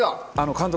監督